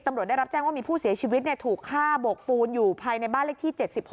ตำรวจได้รับแจ้งว่ามีผู้เสียชีวิตถูกฆ่าโบกปูนอยู่ภายในบ้านเลขที่๗๖